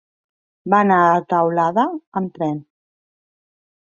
Va anar a Teulada amb tren.